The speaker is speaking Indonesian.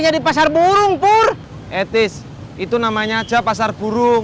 iya di pasar burung pur etis itu namanya aja pasar burung